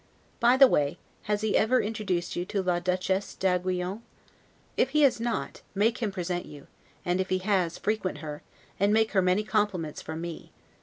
By the way, has he ever introduced you to la Duchesse d'Aiguillon? If he has not, make him present you; and if he has, frequent her, and make her many compliments from me.